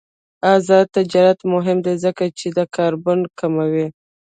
آزاد تجارت مهم دی ځکه چې د کاربن کموي.